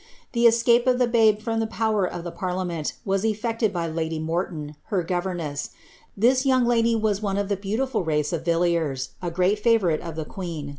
The escape of the babe from t!ie power of the jrarliamcnt was effected by lady Morton, her govemesL This young lady was one of the beautiful race of Villiers, a great favourite * rinrondon's History of tlie Rebellion.